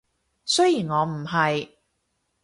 雖然我唔係